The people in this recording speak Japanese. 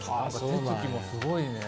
手つきもすごいね。